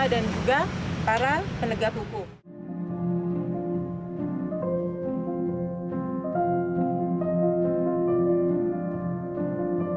dan juga para penegak hukum